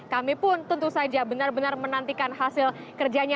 kami pun tentu saja benar benar menantikan hasil kerjanya